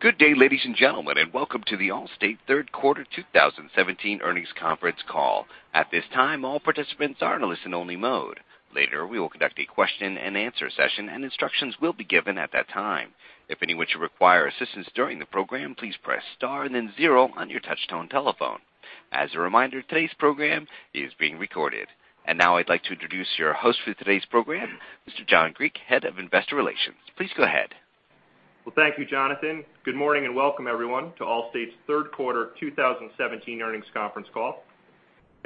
Good day, ladies and gentlemen, and welcome to the Allstate Third Quarter 2017 Earnings Conference Call. At this time, all participants are in listen-only mode. Later, we will conduct a question-and-answer session and instructions will be given at that time. If anyone should require assistance during the program, please press star and then zero on your touchtone telephone. As a reminder, today's program is being recorded. Now I'd like to introduce your host for today's program, Mr. John Griek, Head of Investor Relations. Please go ahead. Well, thank you, Jonathan. Good morning and welcome everyone to Allstate's third quarter 2017 earnings conference call.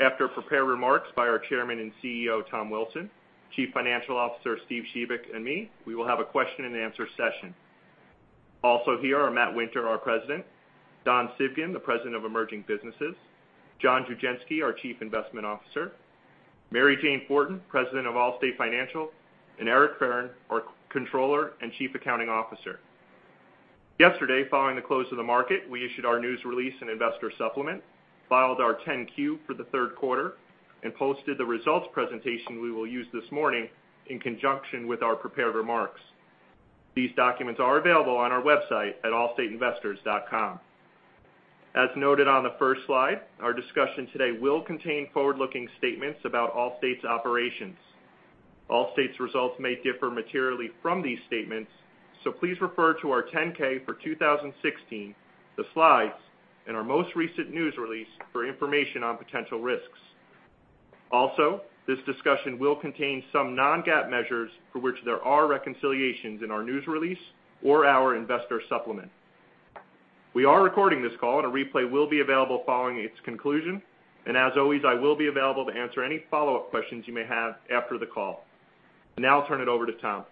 After prepared remarks by our Chairman and CEO, Tom Wilson, Chief Financial Officer, Steve Shebik, and me, we will have a question-and-answer session. Also here are Matt Winter, our President, Don Civgin, the President of Emerging Businesses, John Dugenske, our Chief Investment Officer, Mary Jane Fortin, President of Allstate Financial, and Eric Ferren, our Controller and Chief Accounting Officer. Yesterday, following the close of the market, we issued our news release and investor supplement, filed our 10-Q for the third quarter, and posted the results presentation we will use this morning in conjunction with our prepared remarks. These documents are available on our website at allstateinvestors.com. As noted on the first slide, our discussion today will contain forward-looking statements about Allstate's operations. Allstate's results may differ materially from these statements, please refer to our 10-K for 2016, the slides, and our most recent news release for information on potential risks. This discussion will contain some non-GAAP measures for which there are reconciliations in our news release or our investor supplement. We are recording this call, a replay will be available following its conclusion, as always, I will be available to answer any follow-up questions you may have after the call. Now I'll turn it over to Tom.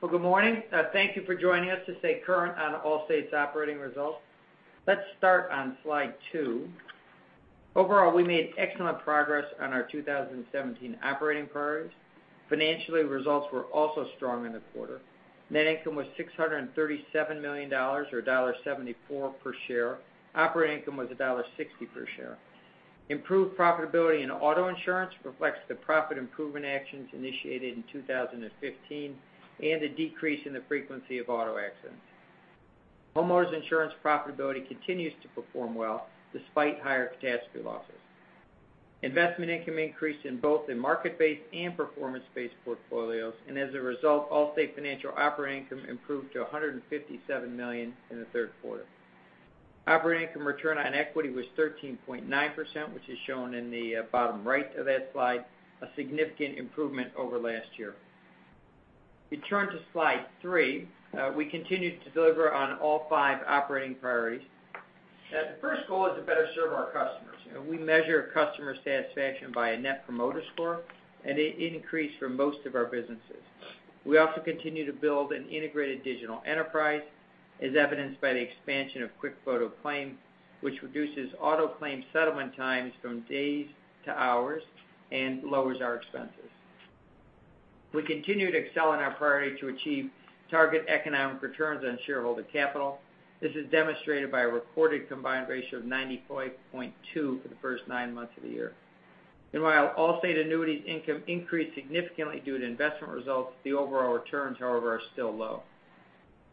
Well, good morning. Thank you for joining us to stay current on Allstate's operating results. Let's start on slide two. Overall, we made excellent progress on our 2017 operating priorities. Financially, results were also strong in the quarter. Net income was $637 million, or $1.74 per share. Operating income was $1.60 per share. Improved profitability in auto insurance reflects the profit improvement actions initiated in 2015 and a decrease in the frequency of auto accidents. Homeowners insurance profitability continues to perform well despite higher catastrophe losses. Investment income increased in both the market-based and performance-based portfolios, as a result, Allstate Financial operating income improved to $157 million in the third quarter. Operating income return on equity was 13.9%, which is shown in the bottom right of that slide, a significant improvement over last year. We turn to slide three. We continued to deliver on all five operating priorities. The first goal is to better serve our customers. We measure customer satisfaction by a Net Promoter Score, and it increased for most of our businesses. We also continue to build an integrated digital enterprise, as evidenced by the expansion of QuickFoto Claim, which reduces auto claim settlement times from days to hours and lowers our expenses. We continue to excel in our priority to achieve target economic returns on shareholder capital. This is demonstrated by a reported combined ratio of 95.2 for the first nine months of the year. Meanwhile, Allstate Annuities' income increased significantly due to investment results. The overall returns, however, are still low.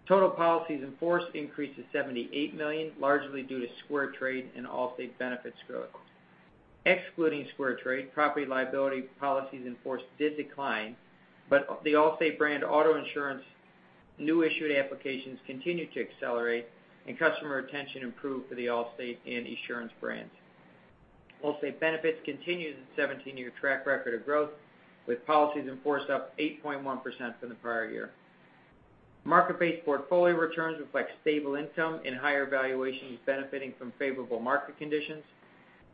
Total policies in force increased to 78 million, largely due to SquareTrade and Allstate Benefits growth. Excluding SquareTrade, property liability policies in force did decline, but the Allstate brand auto insurance new issued applications continued to accelerate and customer retention improved for the Allstate and Esurance brands. Allstate Benefits continues its 17-year track record of growth, with policies in force up 8.1% from the prior year. Market-based portfolio returns reflect stable income and higher valuations benefiting from favorable market conditions.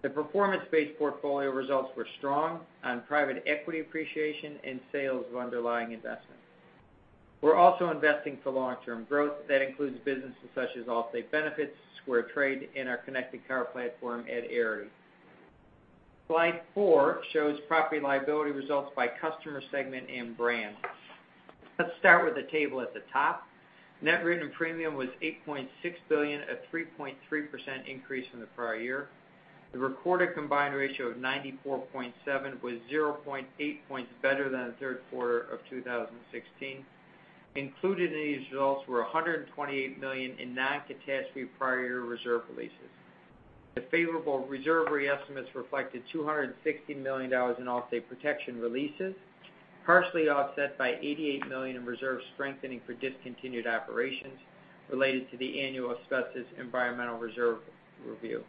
The performance-based portfolio results were strong on private equity appreciation and sales of underlying investments. We're also investing for long-term growth. That includes businesses such as Allstate Benefits, SquareTrade, and our connected car platform at Arity. Slide four shows property and liability results by customer segment and brand. Let's start with the table at the top. Net written premium was $8.6 billion, a 3.3% increase from the prior year. The recorded combined ratio of 94.7 was 0.8 points better than the third quarter of 2016. Included in these results were $128 million in non-catastrophe prior year reserve releases. The favorable reserve re-estimates reflected $260 million in Allstate Protection releases, partially offset by $88 million in reserve strengthening for discontinued operations related to the annual asbestos environmental reserve review.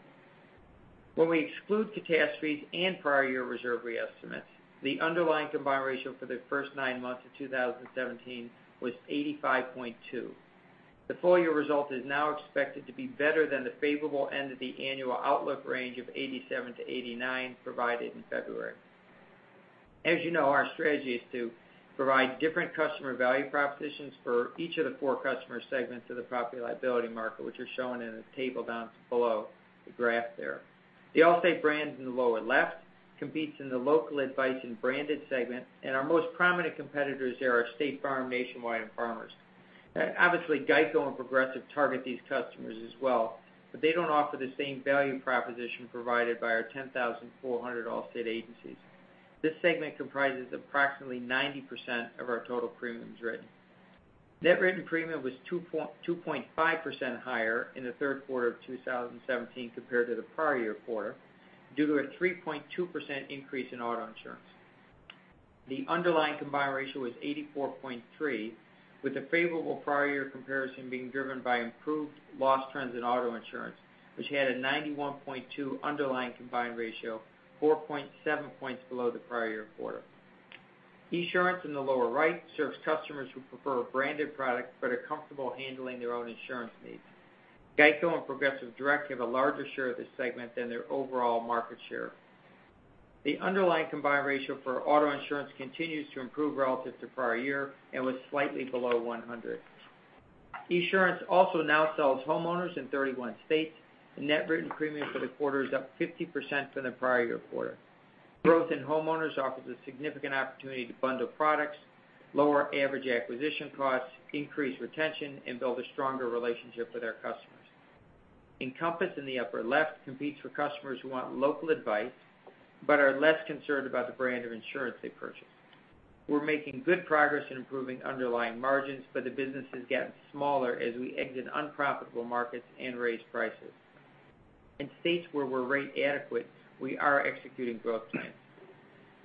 When we exclude catastrophes and prior year reserve re-estimates, the underlying combined ratio for the first nine months of 2017 was 85.2. The full-year result is now expected to be better than the favorable end of the annual outlook range of 87%-89% provided in February. As you know, our strategy is to provide different customer value propositions for each of the four customer segments of the property and liability market, which are shown in the table down below the graph there. The Allstate brand in the lower left competes in the local advice and branded segment, and our most prominent competitors there are State Farm, Nationwide, and Farmers. Obviously, GEICO and Progressive target these customers as well, but they don't offer the same value proposition provided by our 10,400 Allstate agencies. This segment comprises approximately 90% of our total premiums written. Net written premium was 2.5% higher in the third quarter of 2017 compared to the prior year quarter due to a 3.2% increase in auto insurance. The underlying combined ratio was 84.3, with a favorable prior year comparison being driven by improved loss trends in auto insurance, which had a 91.2 underlying combined ratio, 4.7 points below the prior year quarter. Esurance, in the lower right, serves customers who prefer a branded product but are comfortable handling their own insurance needs. GEICO and Progressive Direct have a larger share of this segment than their overall market share. The underlying combined ratio for auto insurance continues to improve relative to prior year and was slightly below 100. Esurance also now sells homeowners in 31 states. The net written premium for the quarter is up 50% from the prior year quarter. Growth in homeowners offers a significant opportunity to bundle products, lower average acquisition costs, increase retention, and build a stronger relationship with our customers. Encompass, in the upper left, competes for customers who want local advice but are less concerned about the brand of insurance they purchase. We're making good progress in improving underlying margins, but the business is getting smaller as we exit unprofitable markets and raise prices. In states where we're rate adequate, we are executing growth plans.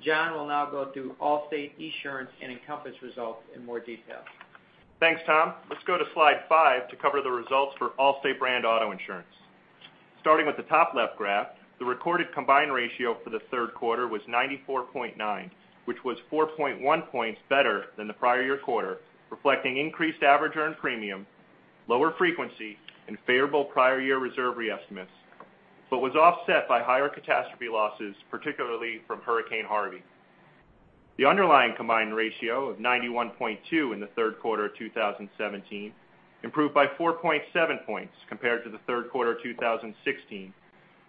John will now go through Allstate, Esurance, and Encompass results in more detail. Thanks, Tom. Let's go to slide five to cover the results for Allstate brand auto insurance. Starting with the top left graph, the recorded combined ratio for the third quarter was 94.9, which was 4.1 points better than the prior year quarter, reflecting increased average earned premium, lower frequency, and favorable prior year reserve re-estimates, but was offset by higher catastrophe losses, particularly from Hurricane Harvey. The underlying combined ratio of 91.2 in the third quarter of 2017 improved by 4.7 points compared to the third quarter 2016,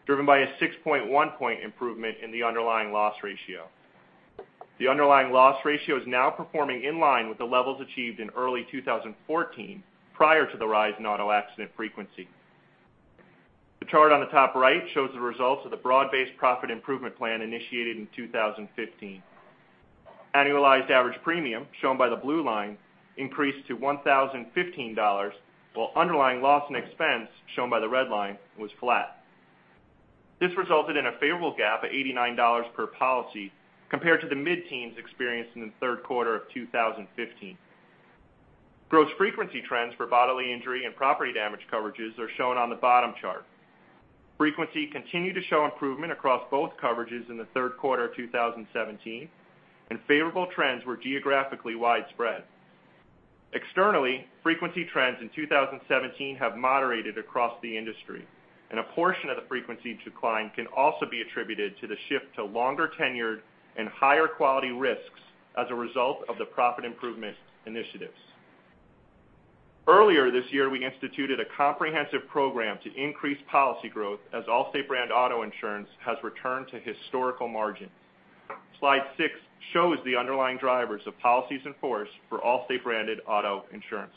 driven by a 6.1 point improvement in the underlying loss ratio. The underlying loss ratio is now performing in line with the levels achieved in early 2014, prior to the rise in auto accident frequency. The chart on the top right shows the results of the broad-based profit improvement plan initiated in 2015. Annualized average premium, shown by the blue line, increased to $1,015, while underlying loss and expense, shown by the red line, was flat. This resulted in a favorable GAAP of $89 per policy compared to the mid-teens experienced in the third quarter of 2015. Gross frequency trends for bodily injury and property damage coverages are shown on the bottom chart. Frequency continued to show improvement across both coverages in the third quarter of 2017, and favorable trends were geographically widespread. Externally, frequency trends in 2017 have moderated across the industry, and a portion of the frequency decline can also be attributed to the shift to longer tenured and higher quality risks as a result of the profit improvement initiatives. Earlier this year, we instituted a comprehensive program to increase policy growth as Allstate brand auto insurance has returned to historical margins. Slide six shows the underlying drivers of policies in force for Allstate branded auto insurance.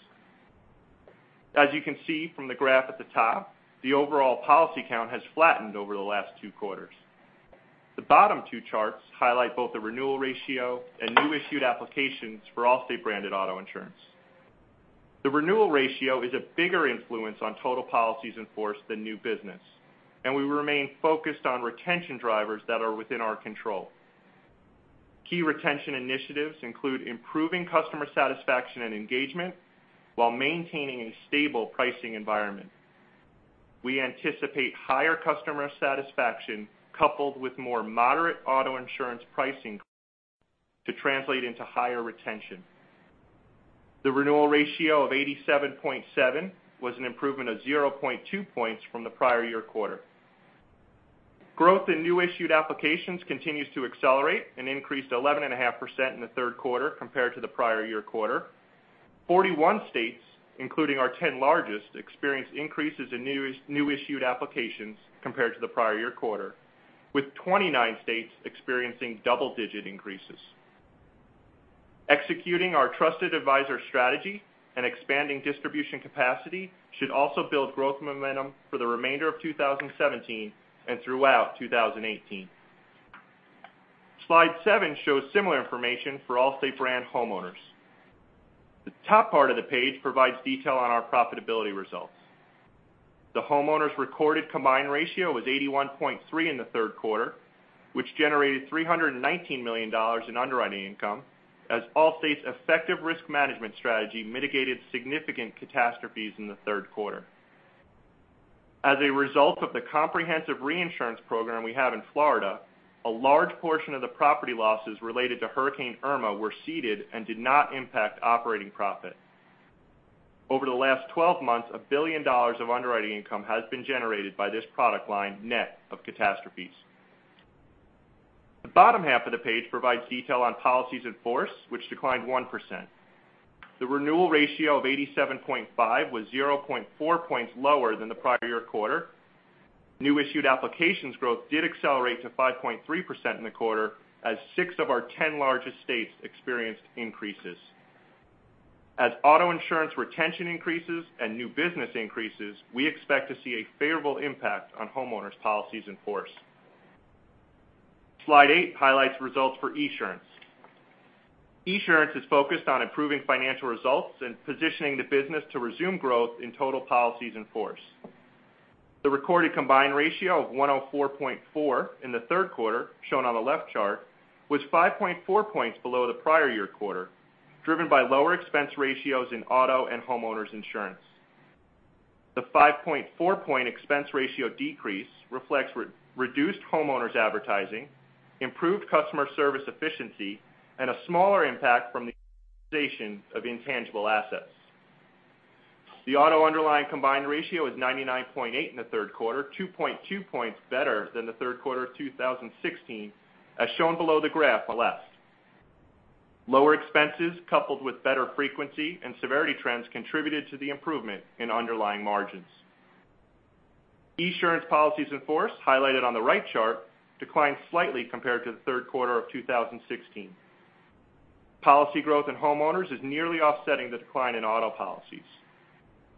As you can see from the graph at the top, the overall policy count has flattened over the last two quarters. The bottom two charts highlight both the renewal ratio and new issued applications for Allstate branded auto insurance. The renewal ratio is a bigger influence on total policies in force than new business, and we remain focused on retention drivers that are within our control. Key retention initiatives include improving customer satisfaction and engagement while maintaining a stable pricing environment. We anticipate higher customer satisfaction coupled with more moderate auto insurance pricing to translate into higher retention. The renewal ratio of 87.7 was an improvement of 0.2 points from the prior year quarter. Growth in new issued applications continues to accelerate and increased 11.5% in the third quarter compared to the prior year quarter. 41 states, including our ten largest, experienced increases in new issued applications compared to the prior year quarter, with 29 states experiencing double-digit increases. Executing our trusted advisor strategy and expanding distribution capacity should also build growth momentum for the remainder of 2017 and throughout 2018. Slide seven shows similar information for Allstate brand homeowners. The top part of the page provides detail on our profitability results. The homeowners' recorded combined ratio was 81.3 in the third quarter, which generated $319 million in underwriting income, as Allstate's effective risk management strategy mitigated significant catastrophes in the third quarter. As a result of the comprehensive reinsurance program we have in Florida, a large portion of the property losses related to Hurricane Irma were ceded and did not impact operating profit. Over the last 12 months, $1 billion of underwriting income has been generated by this product line, net of catastrophes. The bottom half of the page provides detail on policies in force, which declined 1%. The renewal ratio of 87.5 was 0.4 points lower than the prior year quarter. New issued applications growth did accelerate to 5.3% in the quarter as six of our ten largest states experienced increases. As auto insurance retention increases and new business increases, we expect to see a favorable impact on homeowners policies in force. Slide eight highlights results for Esurance. Esurance is focused on improving financial results and positioning the business to resume growth in total policies in force. The recorded combined ratio of 104.4 in the third quarter, shown on the left chart, was 5.4 points below the prior year quarter, driven by lower expense ratios in auto and homeowners insurance. The 5.4 point expense ratio decrease reflects reduced homeowners advertising, improved customer service efficiency, and a smaller impact from the amortization of intangible assets. The auto underlying combined ratio is 99.8 in the third quarter, 2.2 points better than the third quarter of 2016, as shown below the graph on the left. Lower expenses, coupled with better frequency and severity trends, contributed to the improvement in underlying margins. Esurance policies in force, highlighted on the right chart, declined slightly compared to the third quarter of 2016. Policy growth in homeowners is nearly offsetting the decline in auto policies.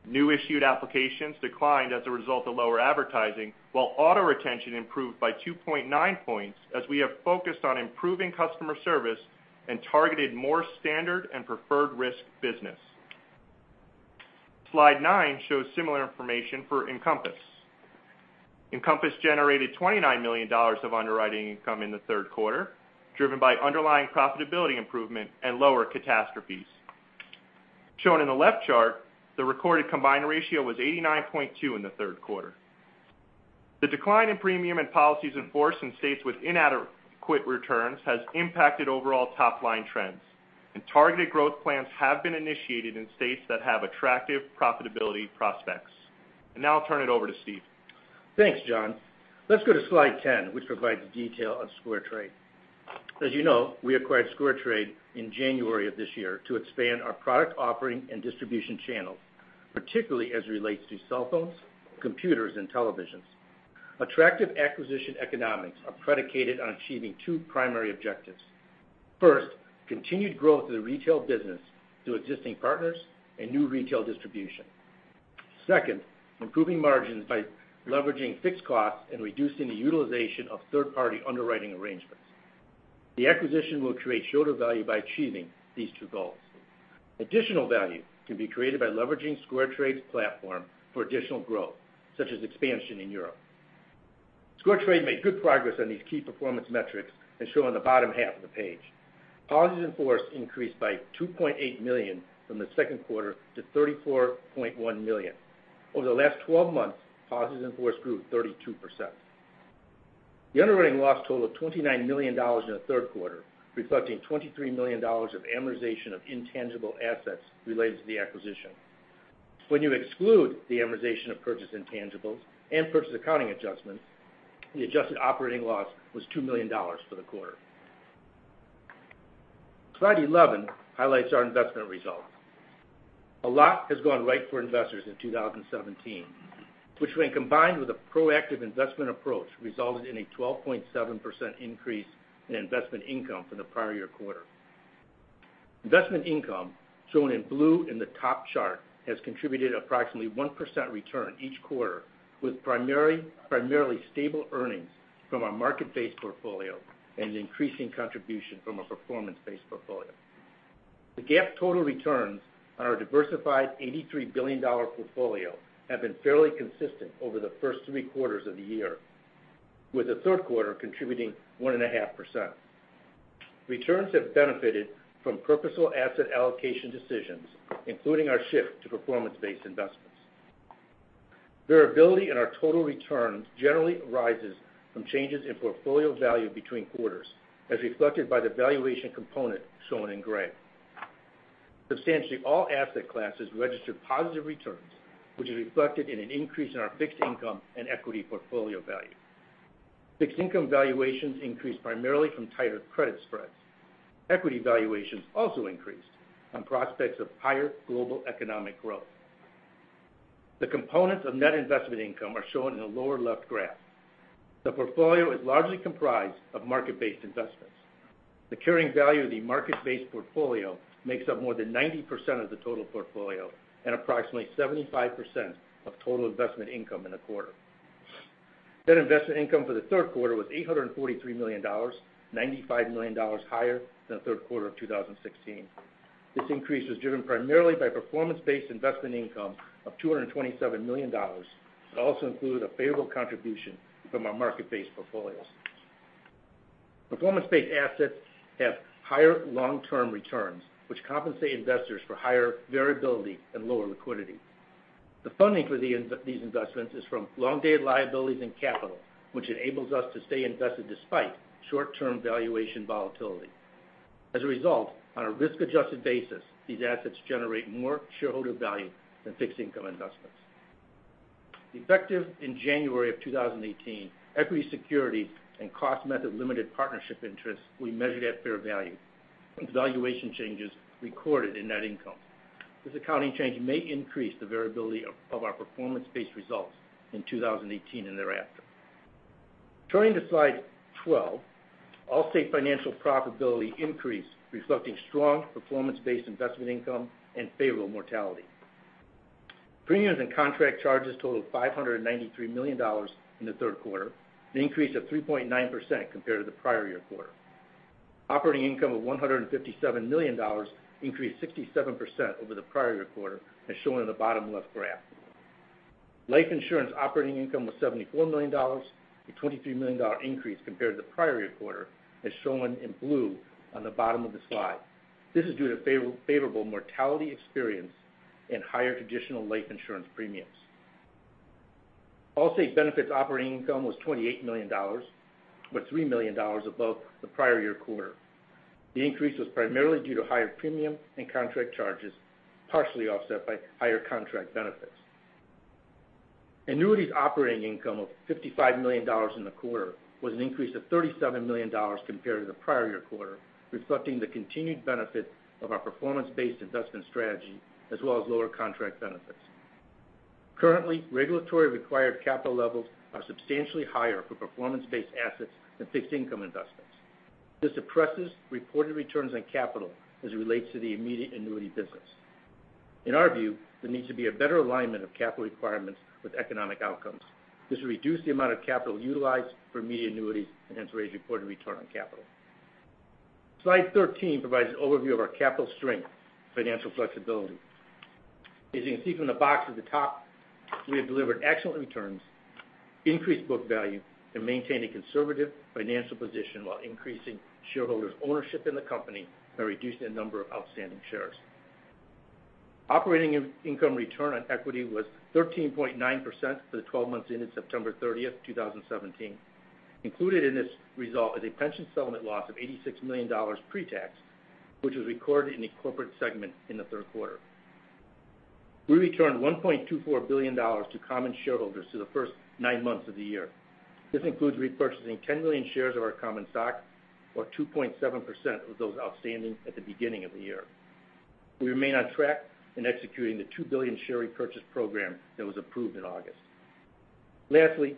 New issued applications declined as a result of lower advertising, while auto retention improved by 2.9 points as we have focused on improving customer service and targeted more standard and preferred risk business. Slide nine shows similar information for Encompass. Encompass generated $29 million of underwriting income in the third quarter, driven by underlying profitability improvement and lower catastrophes. Shown in the left chart, the recorded combined ratio was 89.2 in the third quarter. The decline in premium and policies in force in states with inadequate returns has impacted overall top-line trends, and targeted growth plans have been initiated in states that have attractive profitability prospects. Now I'll turn it over to Steve. Thanks, John. Let's go to slide 10, which provides detail on SquareTrade. As you know, we acquired SquareTrade in January of this year to expand our product offering and distribution channels, particularly as it relates to cell phones, computers, and televisions. Attractive acquisition economics are predicated on achieving two primary objectives. First, continued growth of the retail business through existing partners and new retail distribution. Second, improving margins by leveraging fixed costs and reducing the utilization of third-party underwriting arrangements. The acquisition will create shareholder value by achieving these two goals. Additional value can be created by leveraging SquareTrade's platform for additional growth, such as expansion in Europe. SquareTrade made good progress on these key performance metrics, as shown on the bottom half of the page. Policies in force increased by 2.8 million from the second quarter to 34.1 million. Over the last 12 months, policies in force grew 32%. The underwriting loss total of $29 million in the third quarter, reflecting $23 million of amortization of intangible assets related to the acquisition. When you exclude the amortization of purchase intangibles and purchase accounting adjustments, the adjusted operating loss was $2 million for the quarter. Slide 11 highlights our investment results. A lot has gone right for investors in 2017, which when combined with a proactive investment approach, resulted in a 12.7% increase in investment income from the prior year quarter. Investment income, shown in blue in the top chart, has contributed approximately 1% return each quarter, with primarily stable earnings from our market-based portfolio and increasing contribution from a performance-based portfolio. The GAAP total returns on our diversified $83 billion portfolio have been fairly consistent over the first three quarters of the year, with the third quarter contributing 1.5%. Returns have benefited from purposeful asset allocation decisions, including our shift to performance-based investments. Variability in our total returns generally arises from changes in portfolio value between quarters, as reflected by the valuation component shown in gray. Substantially all asset classes registered positive returns, which is reflected in an increase in our fixed income and equity portfolio value. Fixed income valuations increased primarily from tighter credit spreads. Equity valuations also increased on prospects of higher global economic growth. The components of net investment income are shown in the lower left graph. The portfolio is largely comprised of market-based investments. The carrying value of the market-based portfolio makes up more than 90% of the total portfolio and approximately 75% of total investment income in the quarter. Net investment income for the third quarter was $843 million, $95 million higher than the third quarter of 2016. This increase was driven primarily by performance-based investment income of $227 million. It also includes a favorable contribution from our market-based portfolios. Performance-based assets have higher long-term returns, which compensate investors for higher variability and lower liquidity. The funding for these investments is from long-dated liabilities and capital, which enables us to stay invested despite short-term valuation volatility. As a result, on a risk-adjusted basis, these assets generate more shareholder value than fixed income investments. Effective in January of 2018, equity security and cost method limited partnership interests will be measured at fair value, with valuation changes recorded in net income. This accounting change may increase the variability of our performance-based results in 2018 and thereafter. Turning to slide 12, Allstate Financial profitability increased, reflecting strong performance-based investment income and favorable mortality. Premiums and contract charges totaled $593 million in the third quarter, an increase of 3.9% compared to the prior year quarter. Operating income of $157 million increased 67% over the prior year quarter, as shown in the bottom left graph. Life insurance operating income was $74 million, a $23 million increase compared to the prior year quarter, as shown in blue on the bottom of the slide. This is due to favorable mortality experience and higher traditional life insurance premiums. Allstate Benefits operating income was $28 million, or $3 million above the prior year quarter. The increase was primarily due to higher premium and contract charges, partially offset by higher contract benefits. Annuities operating income of $55 million in the quarter was an increase of $37 million compared to the prior year quarter, reflecting the continued benefit of our performance-based investment strategy, as well as lower contract benefits. Currently, regulatory required capital levels are substantially higher for performance-based assets than fixed income investments. This suppresses reported returns on capital as it relates to the immediate annuity business. In our view, there needs to be a better alignment of capital requirements with economic outcomes. This will reduce the amount of capital utilized for immediate annuities, and hence raise reported return on capital. Slide 13 provides an overview of our capital strength, financial flexibility. As you can see from the box at the top, we have delivered excellent returns, increased book value, and maintained a conservative financial position while increasing shareholders' ownership in the company by reducing the number of outstanding shares. Operating income return on equity was 13.9% for the 12 months ending September 30th, 2017. Included in this result is a pension settlement loss of $86 million pre-tax, which was recorded in the corporate segment in the third quarter. We returned $1.24 billion to common shareholders through the first nine months of the year. This includes repurchasing 10 million shares of our common stock, or 2.7% of those outstanding at the beginning of the year. We remain on track in executing the $2 billion share repurchase program that was approved in August. Lastly,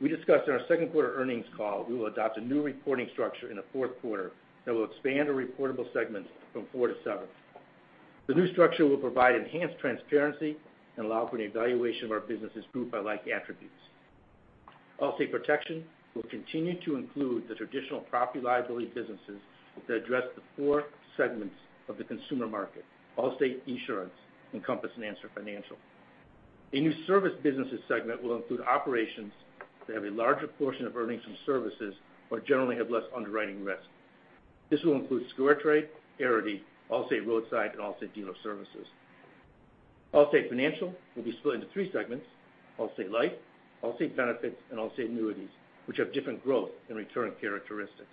we discussed in our second quarter earnings call, we will adopt a new reporting structure in the fourth quarter that will expand our reportable segments from four to seven. Allstate Protection will continue to include the traditional property liability businesses that address the four segments of the consumer market, Allstate Insurance, Encompass, and Answer Financial. A new service businesses segment will include operations that have a larger portion of earnings from services, but generally have less underwriting risk. This will include SquareTrade, Arity, Allstate Roadside, and Allstate Dealer Services. Allstate Financial will be split into three segments, Allstate Life, Allstate Benefits, and Allstate Annuities, which have different growth and return characteristics.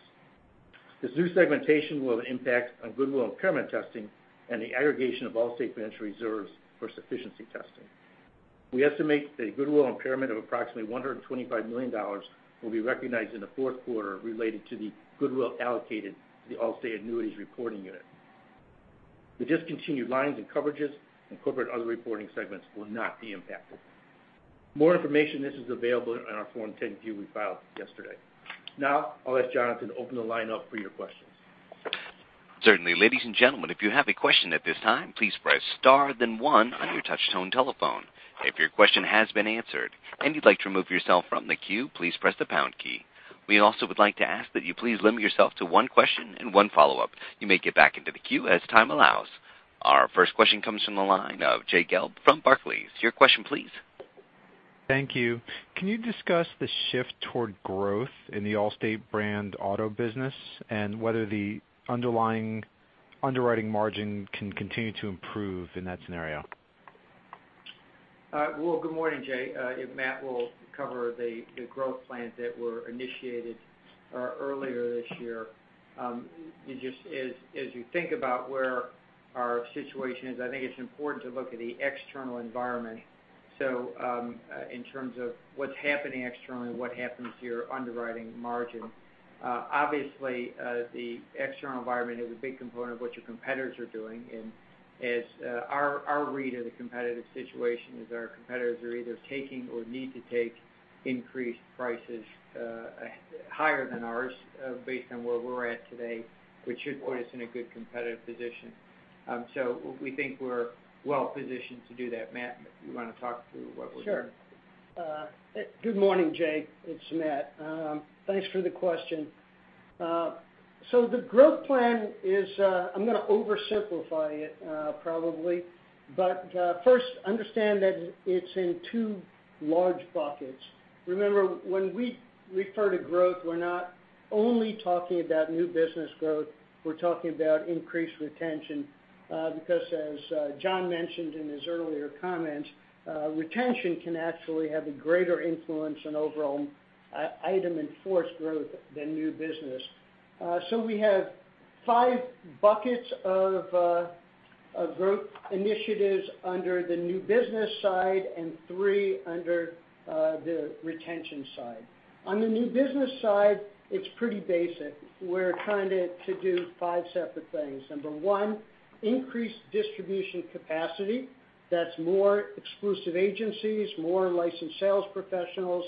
This new segmentation will have an impact on goodwill impairment testing and the aggregation of Allstate financial reserves for sufficiency testing. We estimate the goodwill impairment of approximately $125 million will be recognized in the fourth quarter related to the goodwill allocated to the Allstate Annuities reporting unit. The discontinued lines and coverages and corporate other reporting segments will not be impacted. More information on this is available on our Form 10-Q we filed yesterday. I'll ask Jonathan to open the line up for your questions. Certainly. Ladies and gentlemen, if you have a question at this time, please press star then one on your touch tone telephone. If your question has been answered and you'd like to remove yourself from the queue, please press the pound key. We also would like to ask that you please limit yourself to one question and one follow-up. You may get back into the queue as time allows. Our first question comes from the line of Jay Gelb from Barclays. Your question please. Thank you. Can you discuss the shift toward growth in the Allstate brand auto business and whether the underlying underwriting margin can continue to improve in that scenario? Well, good morning, Jay. Matt will cover the growth plans that were initiated earlier this year. As you think about where our situation is, I think it's important to look at the external environment. In terms of what's happening externally and what happens to your underwriting margin. Obviously, the external environment is a big component of what your competitors are doing, and as our read of the competitive situation is our competitors are either taking or need to take increased prices higher than ours, based on where we're at today, which should put us in a good competitive position. We think we're well positioned to do that. Matt, you want to talk through what we're doing? Sure. Good morning, Jay. It's Matt. Thanks for the question. The growth plan is, I'm going to oversimplify it, probably, but first understand that it's in two large buckets. Remember, when we refer to growth, we're not only talking about new business growth, we're talking about increased retention, because as John mentioned in his earlier comments, retention can actually have a greater influence on overall PIF growth than new business. We have five buckets of growth initiatives under the new business side and three under the retention side. On the new business side, it's pretty basic. We're trying to do five separate things. Number one, increase distribution capacity. That's more exclusive agencies, more licensed sales professionals,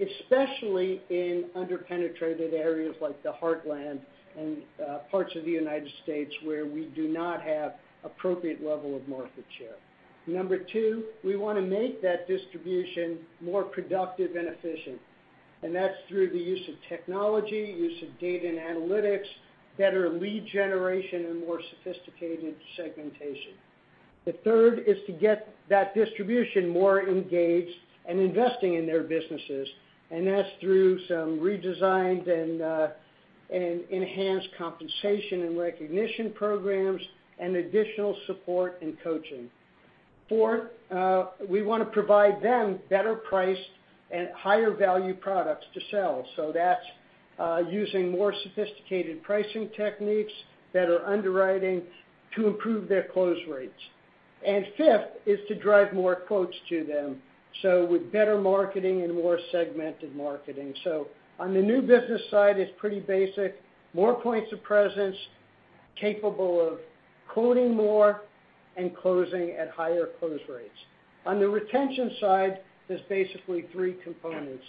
especially in under-penetrated areas like the Heartland and parts of the U.S. where we do not have appropriate level of market share. Number two, we want to make that distribution more productive and efficient, and that's through the use of technology, use of data and analytics, better lead generation, and more sophisticated segmentation. The third is to get that distribution more engaged and investing in their businesses, and that's through some redesigned and enhanced compensation and recognition programs and additional support and coaching. Four, we want to provide them better priced and higher value products to sell. That's using more sophisticated pricing techniques, better underwriting to improve their close rates. Fifth is to drive more quotes to them. With better marketing and more segmented marketing. On the new business side, it's pretty basic. More points of presence, capable of quoting more, and closing at higher close rates. On the retention side, there's basically three components.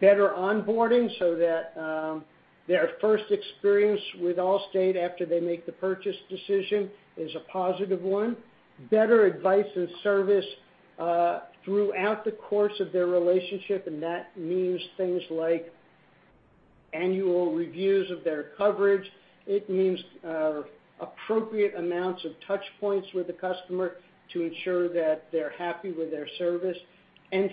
Better onboarding, so that their first experience with Allstate after they make the purchase decision is a positive one. Better advice and service throughout the course of their relationship, and that means things like annual reviews of their coverage. It means appropriate amounts of touch points with the customer to ensure that they're happy with their service.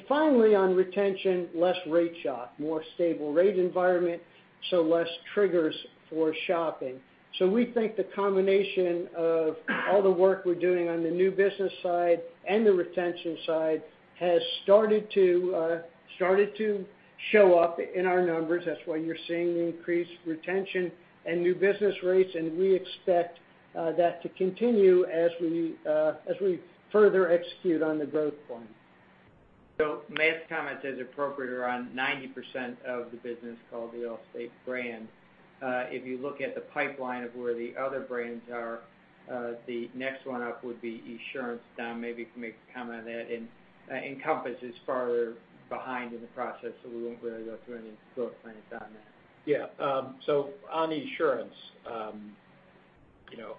Finally, on retention, less rate shock, more stable rate environment, so less triggers for shopping. We think the combination of all the work we're doing on the new business side and the retention side has started to show up in our numbers. That's why you're seeing the increased retention and new business rates, and we expect that to continue as we further execute on the growth plan. Matt's comment is appropriate around 90% of the business called the Allstate brand. If you look at the pipeline of where the other brands are, the next one up would be Esurance. Don maybe can make a comment on that. Encompass is farther behind in the process, we won't really go through any growth plans on that. Yeah. On Esurance,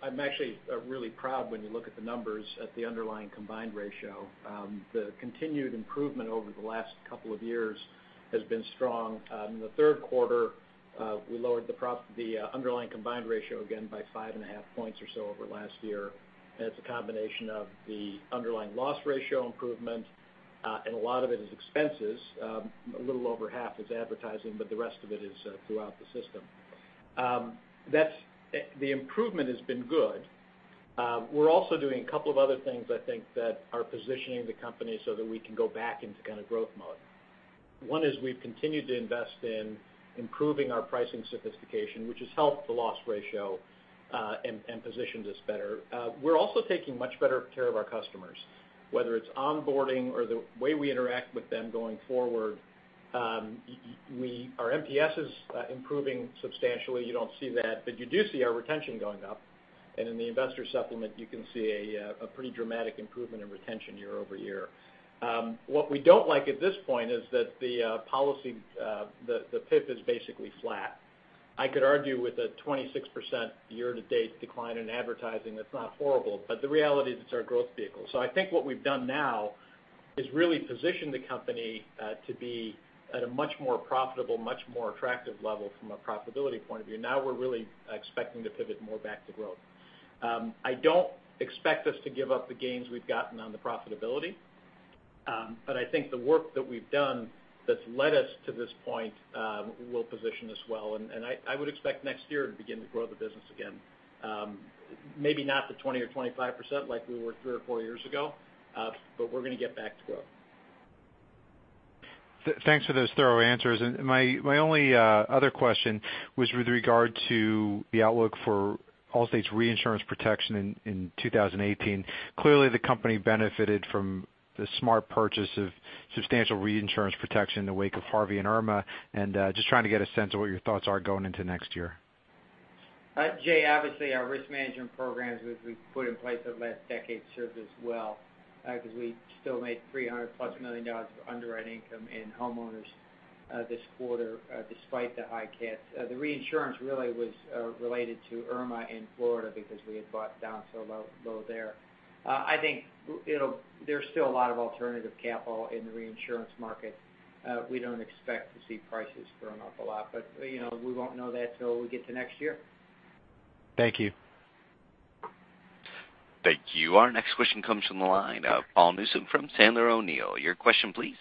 I'm actually really proud when you look at the numbers at the underlying combined ratio. The continued improvement over the last couple of years has been strong. In the third quarter, we lowered the underlying combined ratio again by 5.5 points or so over last year. It's a combination of the underlying loss ratio improvement, and a lot of it is expenses. A little over half is advertising, the rest of it is throughout the system. The improvement has been good. We're also doing a couple of other things I think that are positioning the company so that we can go back into kind of growth mode. One is we've continued to invest in improving our pricing sophistication, which has helped the loss ratio, and positions us better. We're also taking much better care of our customers, whether it's onboarding or the way we interact with them going forward. Our MTSS is improving substantially. You don't see that, you do see our retention going up, and in the investor supplement, you can see a pretty dramatic improvement in retention year-over-year. What we don't like at this point is that the policy, the PIF, is basically flat. I could argue with a 26% year-to-date decline in advertising, that's not horrible, the reality is it's our growth vehicle. I think what we've done now is really position the company to be at a much more profitable, much more attractive level from a profitability point of view. Now we're really expecting to pivot more back to growth. I don't expect us to give up the gains we've gotten on the profitability. I think the work that we've done that's led us to this point, will position us well, and I would expect next year to begin to grow the business again. Maybe not the 20% or 25% like we were three or four years ago, we're going to get back to growth. Thanks for those thorough answers. My only other question was with regard to the outlook for Allstate's reinsurance protection in 2018. Clearly, the company benefited from the smart purchase of substantial reinsurance protection in the wake of Harvey and Irma, and just trying to get a sense of what your thoughts are going into next year. Jay, obviously, our risk management programs which we've put in place over the last decade served us well, because we still made $300-plus million of underwriting income in homeowners this quarter despite the high cats. The reinsurance really was related to Irma in Florida because we had bought down so low there. I think there's still a lot of alternative capital in the reinsurance market. We don't expect to see prices grow an awful lot, but we won't know that till we get to next year. Thank you. Thank you. Our next question comes from the line of Paul Newsome from Sandler O'Neill. Your question, please.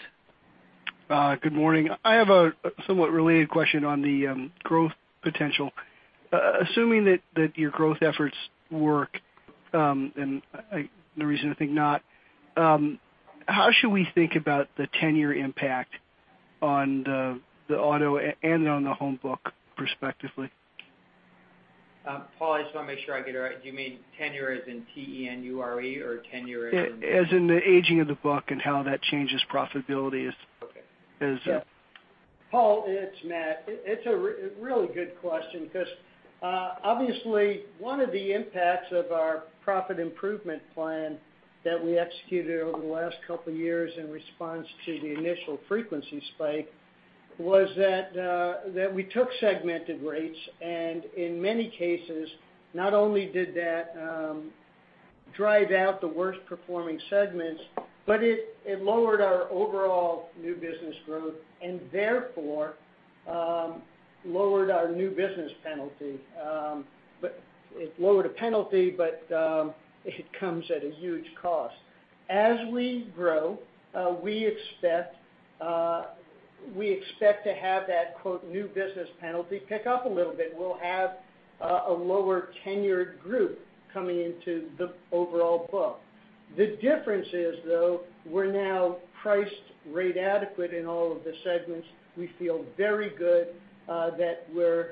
Good morning. I have a somewhat related question on the growth potential. Assuming that your growth efforts work, and no reason to think not, how should we think about the tenure impact On the auto and on the home book, respectively. Paul, I just want to make sure I get it right. Do you mean tenure as in T-E-N-U-R-E or tenure as in- As in the aging of the book and how that changes profitability as- Okay. Yeah. Paul, it's Matt. It's a really good question, because obviously, one of the impacts of our profit improvement plan that we executed over the last couple of years in response to the initial frequency spike was that we took segmented rates, and in many cases, not only did that drive out the worst-performing segments, but it lowered our overall new business growth and therefore, lowered our new business penalty. It lowered a penalty, but it comes at a huge cost. As we grow, we expect to have that "new business penalty" pick up a little bit. We'll have a lower tenured group coming into the overall book. The difference is, though, we're now priced rate adequate in all of the segments. We feel very good that we're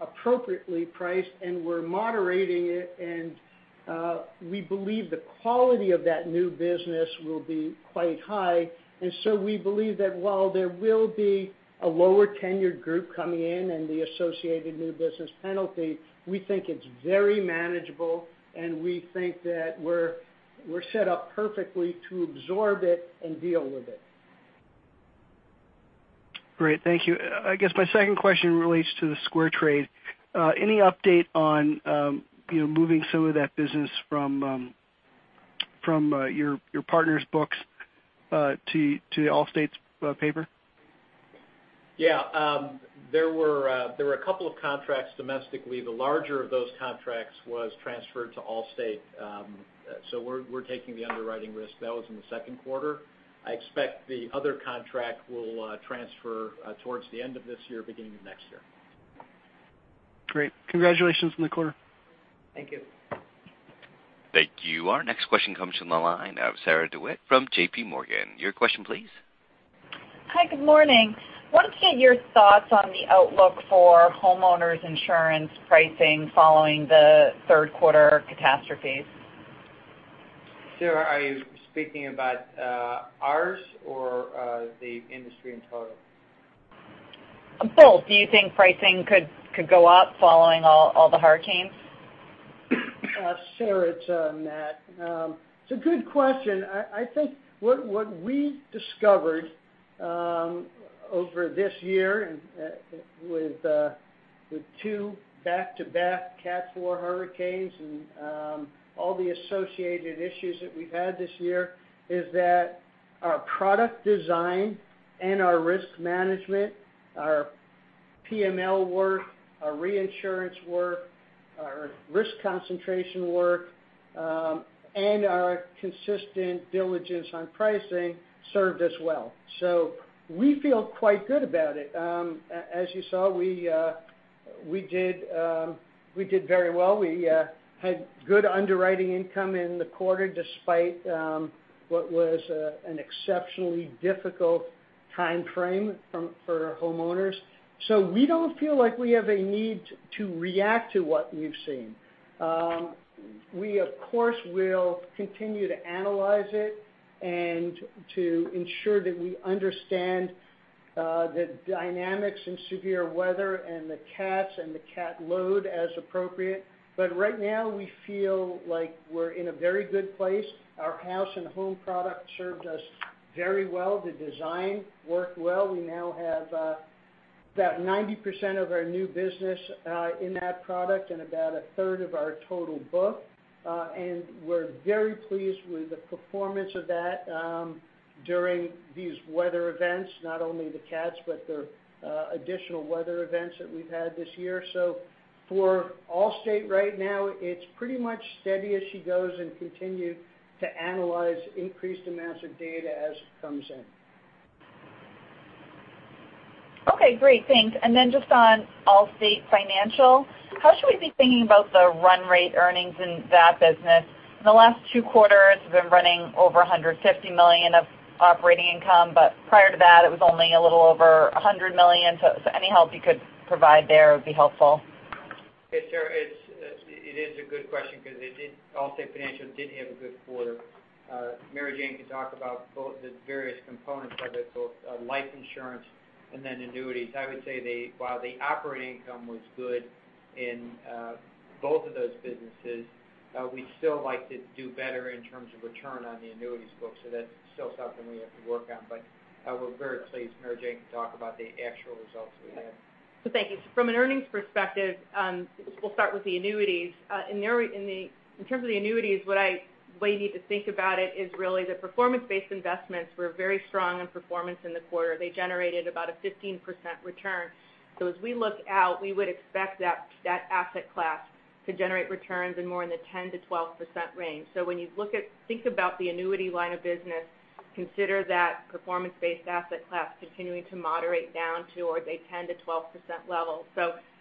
appropriately priced, and we're moderating it, and we believe the quality of that new business will be quite high. We believe that while there will be a lower tenured group coming in and the associated new business penalty, we think it's very manageable, and we think that we're set up perfectly to absorb it and deal with it. Great. Thank you. I guess my second question relates to the SquareTrade. Any update on moving some of that business from your partner's books to Allstate's paper? Yeah. There were a couple of contracts domestically. The larger of those contracts was transferred to Allstate. We're taking the underwriting risk. That was in the second quarter. I expect the other contract will transfer towards the end of this year, beginning of next year. Great. Congratulations on the quarter. Thank you. Thank you. Our next question comes from the line of Sarah DeWitt from JPMorgan. Your question, please. Hi. Good morning. Wanted to get your thoughts on the outlook for homeowners' insurance pricing following the third quarter catastrophes. Sarah, are you speaking about ours or the industry in total? Both. Do you think pricing could go up following all the hurricanes? Sarah, it's Matt. It's a good question. I think what we discovered over this year with two back-to-back Category 4 hurricanes and all the associated issues that we've had this year is that our product design and our risk management, our PML work, our reinsurance work, our risk concentration work, and our consistent diligence on pricing served us well. We feel quite good about it. As you saw, we did very well. We had good underwriting income in the quarter despite what was an exceptionally difficult timeframe for homeowners. We don't feel like we have a need to react to what we've seen. We, of course, will continue to analyze it and to ensure that we understand the dynamics in severe weather and the cats and the cat load as appropriate. Right now, we feel like we're in a very good place. Our House & Home product served us very well. The design worked well. We now have about 90% of our new business in that product and about a third of our total book. We're very pleased with the performance of that during these weather events, not only the catastrophes, but the additional weather events that we've had this year. For Allstate right now, it's pretty much steady as she goes and continue to analyze increased amounts of data as it comes in. Okay, great. Thanks. Just on Allstate Financial, how should we be thinking about the run rate earnings in that business? In the last two quarters, we've been running over $150 million of operating income. Prior to that, it was only a little over $100 million. Any help you could provide there would be helpful. Hey, Sarah, it is a good question because Allstate Financial did have a good quarter. Mary Jane can talk about both the various components of it, both life insurance and then annuities. I would say while the operating income was good in both of those businesses, we'd still like to do better in terms of return on the annuities book. That's still something we have to work on. We're very pleased. Mary Jane can talk about the actual results we had. Thank you. From an earnings perspective, we'll start with the annuities. In terms of the annuities, the way you need to think about it is really the performance-based investments were very strong in performance in the quarter. They generated about a 15% return. As we look out, we would expect that asset class to generate returns in more in the 10%-12% range. When you think about the annuity line of business, consider that performance-based asset class continuing to moderate down to a 10%-12% level.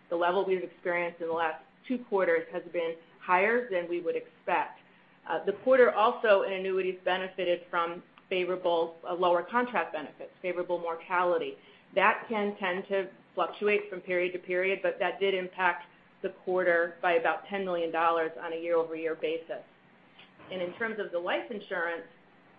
The level we've experienced in the last two quarters has been higher than we would expect. The quarter also in annuities benefited from favorable lower contract benefits, favorable mortality. That can tend to fluctuate from period to period, but that did impact the quarter by about $10 million on a year-over-year basis. In terms of the life insurance,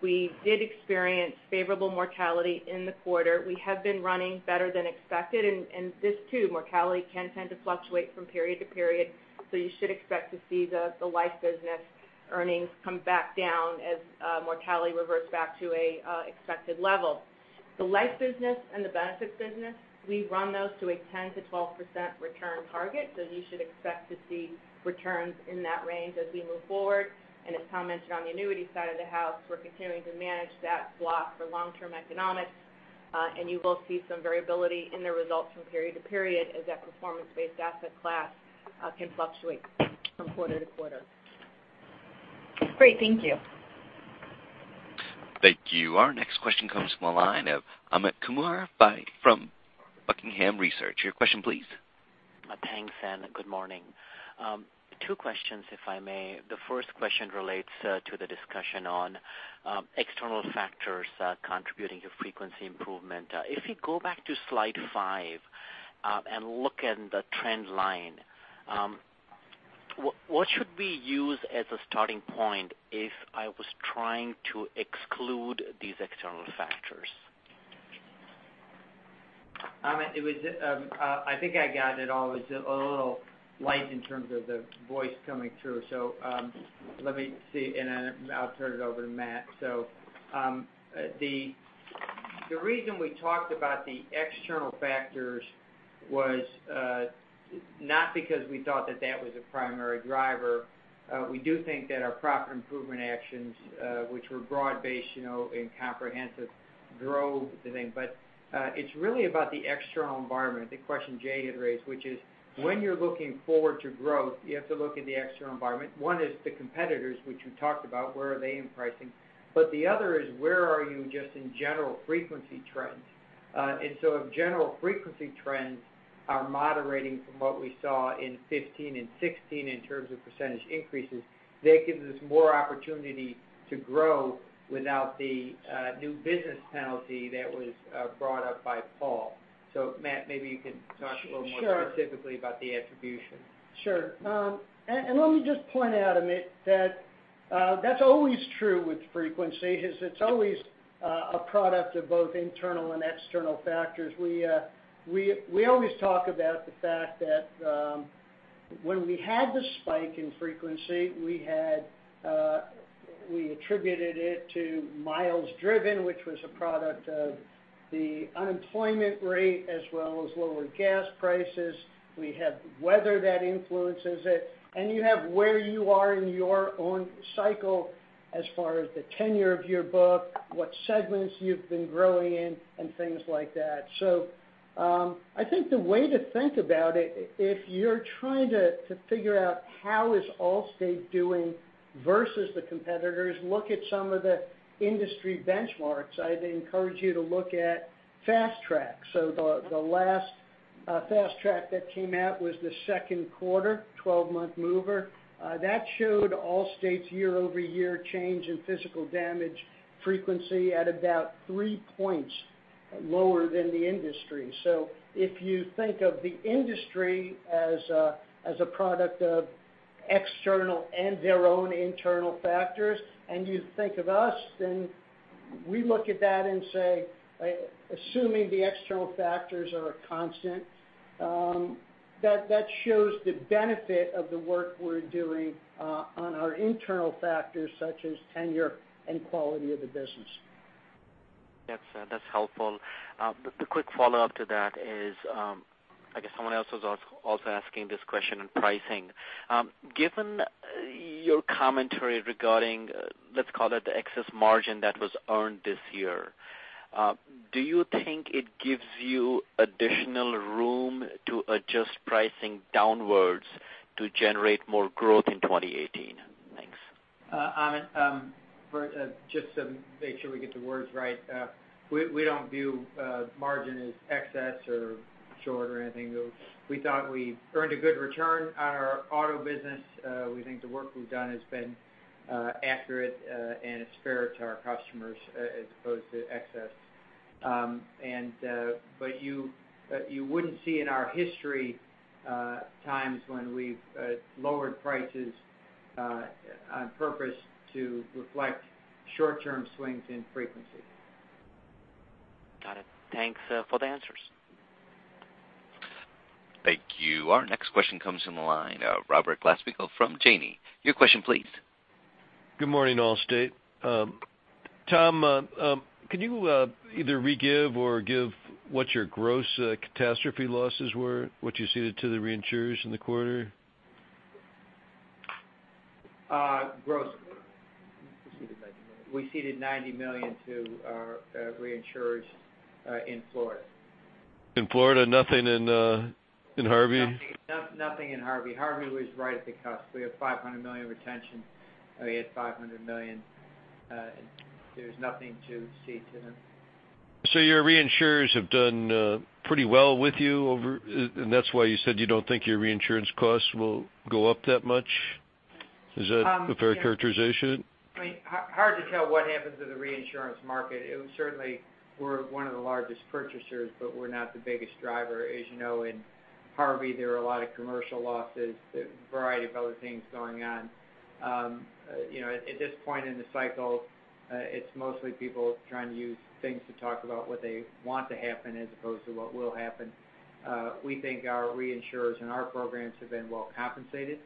we did experience favorable mortality in the quarter. We have been running better than expected, this too, mortality can tend to fluctuate from period to period, so you should expect to see the life business earnings come back down as mortality reverts back to an expected level. The life business and the benefits business, we run those to a 10%-12% return target, so you should expect to see returns in that range as we move forward. As Tom mentioned on the annuity side of the house, we're continuing to manage that block for long-term economics. You will see some variability in the results from period to period as that performance-based portfolio can fluctuate from quarter to quarter. Great. Thank you. Thank you. Our next question comes from the line of Amit Kumar from Buckingham Research. Your question, please. Thanks, good morning. Two questions, if I may. The first question relates to the discussion on external factors contributing to frequency improvement. If you go back to slide five and look in the trend line, what should we use as a starting point if I was trying to exclude these external factors? Amit, I think I got it all. It's a little light in terms of the voice coming through. Let me see, and then I'll turn it over to Matt. The reason we talked about the external factors was not because we thought that that was a primary driver. We do think that our profit improvement actions, which were broad-based and comprehensive, drove the thing. It's really about the external environment, the question Jay had raised, which is when you're looking forward to growth, you have to look at the external environment. One is the competitors, which we talked about, where are they in pricing? The other is where are you just in general frequency trends? If general frequency trends are moderating from what we saw in 2015 and 2016 in terms of percentage increases, that gives us more opportunity to grow without the new business penalty that was brought up by Paul. Matt, maybe you can talk a little more specifically about the attribution. Sure. Let me just point out, Amit, that that's always true with frequency, is it's always a product of both internal and external factors. We always talk about the fact that when we had the spike in frequency, we attributed it to miles driven, which was a product of the unemployment rate as well as lower gas prices. We have weather that influences it, and you have where you are in your own cycle as far as the tenure of your book, what segments you've been growing in, and things like that. I think the way to think about it, if you're trying to figure out how is Allstate doing versus the competitors, look at some of the industry benchmarks. I'd encourage you to look at FastTrack. The last FastTrack that came out was the second quarter 12-month mover. That showed Allstate's year-over-year change in physical damage frequency at about three points lower than the industry. If you think of the industry as a product of external and their own internal factors, and you think of us, we look at that and say, assuming the external factors are a constant, that shows the benefit of the work we're doing on our internal factors such as tenure and quality of the business. That's helpful. The quick follow-up to that is, I guess someone else was also asking this question on pricing. Given your commentary regarding, let's call it the excess margin that was earned this year, do you think it gives you additional room to adjust pricing downwards to generate more growth in 2018? Thanks. Amit, just to make sure we get the words right, we don't view margin as excess or short or anything. We thought we earned a good return on our auto business. We think the work we've done has been accurate, and it's fair to our customers as opposed to excess. You wouldn't see in our history times when we've lowered prices on purpose to reflect short-term swings in frequency. Got it. Thanks for the answers. Thank you. Our next question comes from the line of Robert Glassman from Janney. Your question, please. Good morning, Allstate. Tom, can you either re-give or give what your gross catastrophe losses were, what you ceded to the reinsurers in the quarter? Gross. We ceded $90 million to our reinsurers in Florida. In Florida. Nothing in Harvey? Nothing in Harvey. Harvey was right at the cusp. We had $500 million retention, we had $500 million. There's nothing to cede to them. Your reinsurers have done pretty well with you, and that's why you said you don't think your reinsurance costs will go up that much. Is that a fair characterization? Hard to tell what happens in the reinsurance market. Certainly, we're one of the largest purchasers, but we're not the biggest driver. As you know, in Harvey, there were a lot of commercial losses. There's a variety of other things going on. At this point in the cycle, it's mostly people trying to use things to talk about what they want to happen as opposed to what will happen. We think our reinsurers and our programs have been well compensated.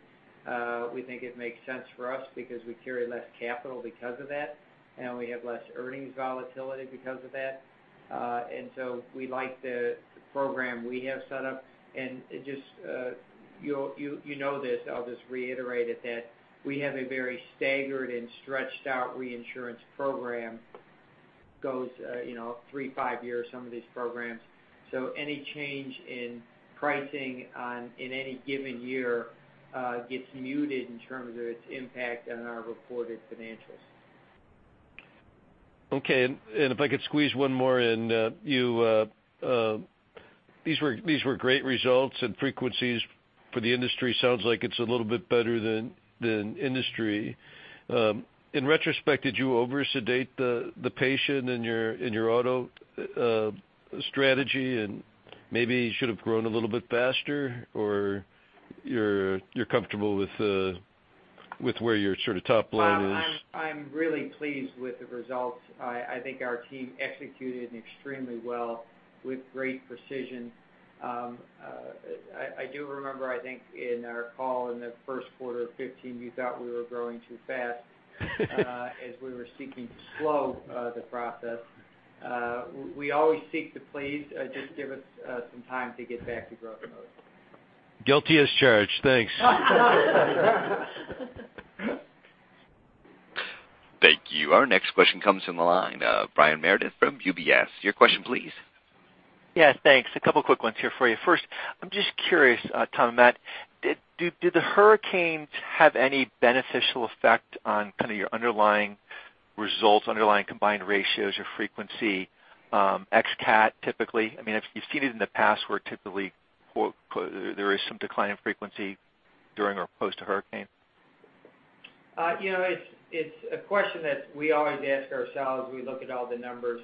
We think it makes sense for us because we carry less capital because of that, and we have less earnings volatility because of that. We like the program we have set up. You know this, I'll just reiterate it, that we have a very staggered and stretched-out reinsurance program, goes three to five years, some of these programs. Any change in pricing in any given year gets muted in terms of its impact on our reported financials. Okay. If I could squeeze one more in. These were great results, and frequencies for the industry sounds like it's a little bit better than industry. In retrospect, did you over-sedate the patient in your auto strategy and maybe should've grown a little bit faster? You're comfortable with where your sort of top line is? I'm really pleased with the results. I think our team executed extremely well with great precision. I do remember, I think, in our call in the first quarter of 2015, you thought we were growing too fast as we were seeking to slow the process. We always seek to please. Just give us some time to get back to growth mode. Guilty as charged. Thanks. Thank you. Our next question comes from the line of Brian Meredith from UBS. Your question, please. Yeah, thanks. A couple quick ones here for you. First, I'm just curious, Tom and Matt, did the hurricanes have any beneficial effect on kind of your underlying results, underlying combined ratios or frequency, x CAT typically? You've seen it in the past where typically, there is some decline in frequency during or post a hurricane. It's a question that we always ask ourselves. We look at all the numbers.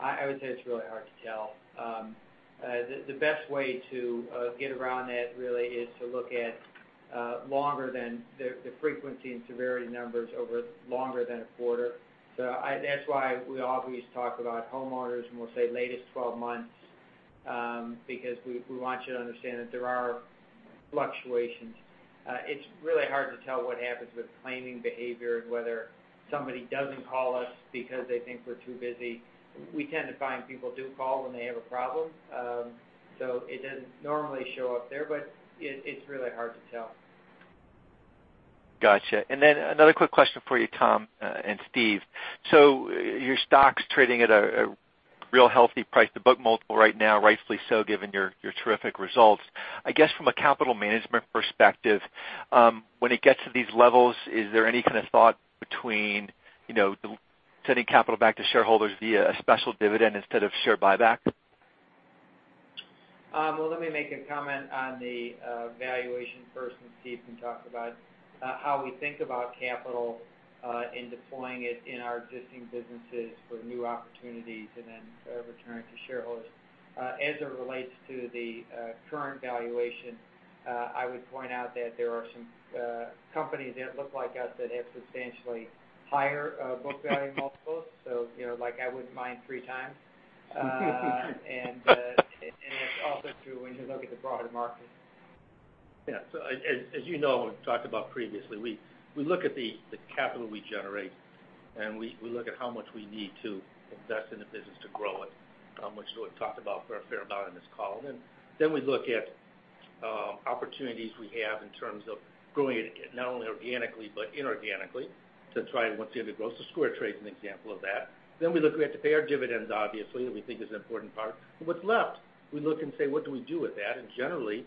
I would say it's really hard to tell. The best way to get around that really is to look at the frequency and severity numbers over longer than a quarter. That's why we always talk about homeowners, and we'll say latest 12 months, because we want you to understand that there are fluctuations. It's really hard to tell what happens with claiming behavior and whether somebody doesn't call us because they think we're too busy. We tend to find people do call when they have a problem. It doesn't normally show up there, but it's really hard to tell. Got you. Another quick question for you, Tom and Steve. Your stock's trading at a real healthy price to book multiple right now, rightfully so, given your terrific results. I guess from a capital management perspective, when it gets to these levels, is there any kind of thought between sending capital back to shareholders via a special dividend instead of share buyback? Well, let me make a comment on the valuation first, and Steve can talk about how we think about capital and deploying it in our existing businesses for new opportunities and then returning to shareholders. As it relates to the current valuation, I would point out that there are some companies that look like us that have substantially higher book value multiples. Like I wouldn't mind three times. It's also true when you look at the broader market. Yeah. As you know, and we've talked about previously, we look at the capital we generate, and we look at how much we need to invest in the business to grow it, how much we've talked about for a fair amount in this call. We look at opportunities we have in terms of growing it, not only organically but inorganically, to try and once again to grow. SquareTrade's an example of that. We look, we have to pay our dividends, obviously, that we think is an important part. What's left, we look and say, what do we do with that? Generally,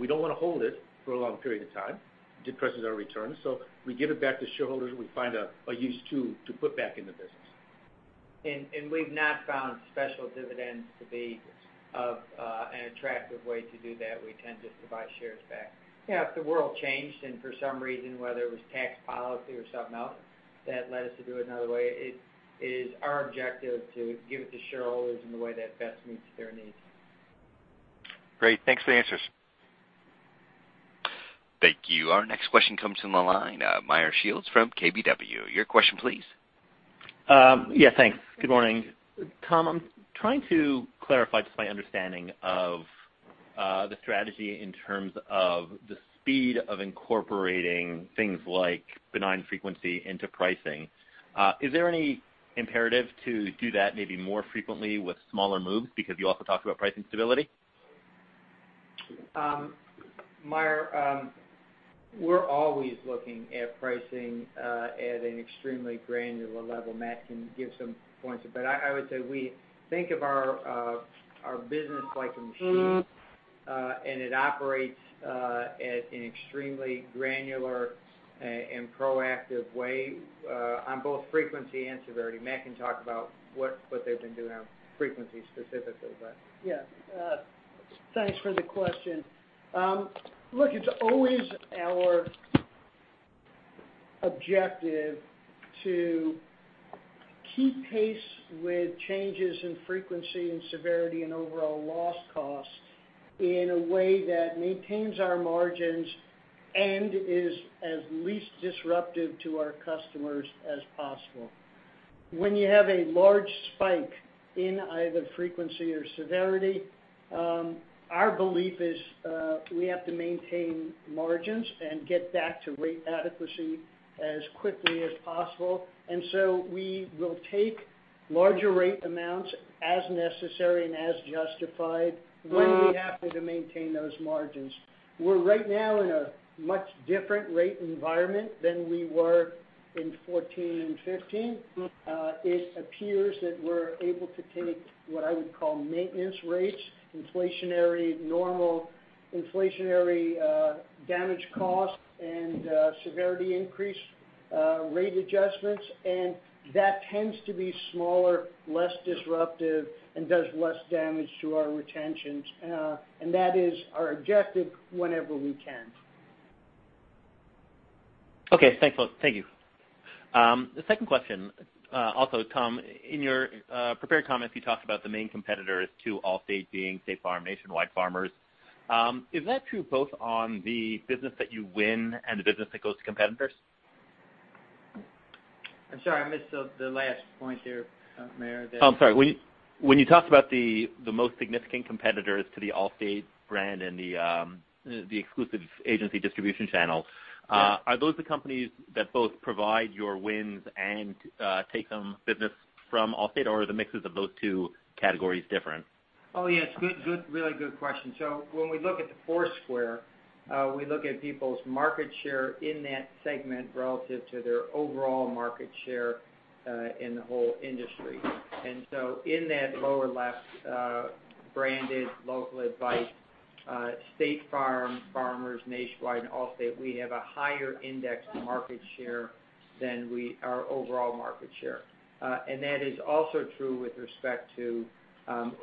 we don't want to hold it for a long period of time. It depresses our returns. We give it back to shareholders, or we find a use to put back in the business. We've not found special dividends to be an attractive way to do that. We tend just to buy shares back. If the world changed and for some reason, whether it was tax policy or something else that led us to do it another way, it is our objective to give it to shareholders in the way that best meets their needs. Great. Thanks for the answers. Thank you. Our next question comes from the line, Meyer Shields from KBW. Your question, please. Yeah, thanks. Good morning. Tom, I'm trying to clarify just my understanding of the strategy in terms of the speed of incorporating things like benign frequency into pricing. Is there any imperative to do that maybe more frequently with smaller moves because you also talked about pricing stability? Meyer, we're always looking at pricing at an extremely granular level. Matt can give some points, but I would say we think of our business like a machine. It operates at an extremely granular and proactive way on both frequency and severity. Matt can talk about what they've been doing on frequency specifically, but. Yeah. Thanks for the question. Look, it's always our objective to keep pace with changes in frequency and severity and overall loss cost in a way that maintains our margins and is as least disruptive to our customers as possible. When you have a large spike in either frequency or severity, our belief is we have to maintain margins and get back to rate adequacy as quickly as possible. We will take larger rate amounts as necessary and as justified when we have to maintain those margins. We're right now in a much different rate environment than we were in 2014 and 2015. It appears that we're able to take what I would call maintenance rates, inflationary, normal inflationary damage cost and severity increase rate adjustments. That tends to be smaller, less disruptive, and does less damage to our retentions. That is our objective whenever we can. Okay, thanks. Thank you. The second question, also Tom, in your prepared comments, you talked about the main competitors to Allstate being State Farm, Nationwide, Farmers. Is that true both on the business that you win and the business that goes to competitors? I'm sorry, I missed the last point there, Meyer. I'm sorry. When you talked about the most significant competitors to the Allstate brand and the exclusive agency distribution channels- Yeah Are those the companies that both provide your wins and take home business from Allstate, or are the mixes of those two categories different? Oh, yeah, it's a really good question. When we look at the foursquare, we look at people's market share in that segment relative to their overall market share in the whole industry. In that lower left, branded local advice, State Farm, Farmers, Nationwide, and Allstate, we have a higher index market share than our overall market share. That is also true with respect to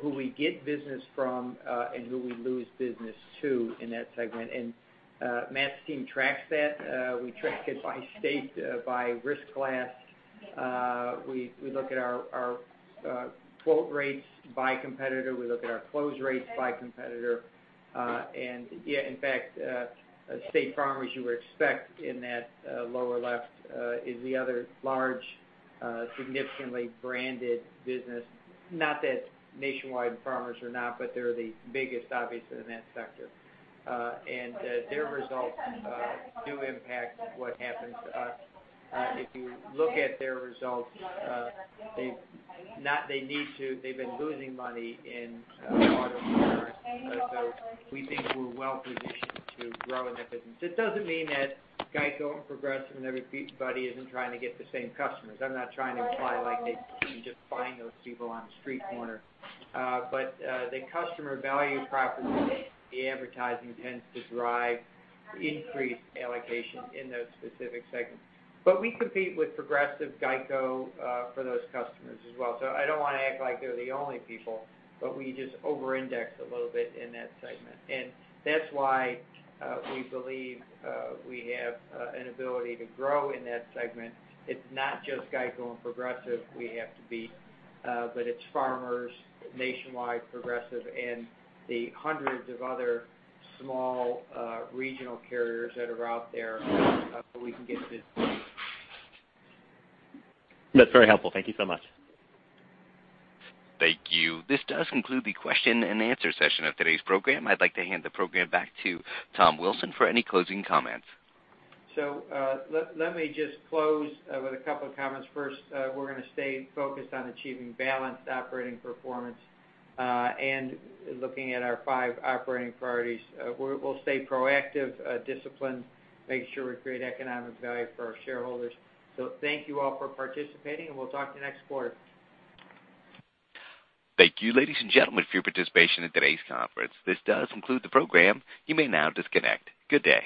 who we get business from and who we lose business to in that segment. Matt's team tracks that. We track it by state, by risk class. We look at our quote rates by competitor. We look at our close rates by competitor. Yeah, in fact, State Farm, as you would expect in that lower left, is the other large, significantly branded business. Not that Nationwide and Farmers are not, but they're the biggest, obviously, in that sector. Their results do impact what happens to us. If you look at their results, they've been losing money in auto and home. We think we're well-positioned to grow in that business. It doesn't mean that GEICO and Progressive and everybody isn't trying to get the same customers. I'm not trying to imply like they've been just buying those people on the street corner. The customer value proposition, the advertising tends to drive increased allocation in those specific segments. We compete with Progressive, GEICO, for those customers as well. I don't want to act like they're the only people, but we just over-index a little bit in that segment. That's why we believe we have an ability to grow in that segment. It's not just GEICO and Progressive we have to beat, it's Farmers, Nationwide, Progressive, and the hundreds of other small regional carriers that are out there that we can get business from. That's very helpful. Thank you so much. Thank you. This does conclude the question and answer session of today's program. I'd like to hand the program back to Tom Wilson for any closing comments. Let me just close with a couple of comments. First, we're going to stay focused on achieving balanced operating performance, and looking at our five operating priorities. We'll stay proactive, disciplined, make sure we create economic value for our shareholders. Thank you all for participating, and we'll talk to you next quarter. Thank you, ladies and gentlemen, for your participation in today's conference. This does conclude the program. You may now disconnect. Good day.